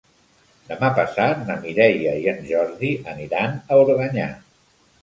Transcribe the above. Demà passat na Mireia i en Jordi aniran a Organyà.